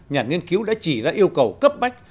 nhà nghiên cứu đã chỉ ra yêu cầu cấp bách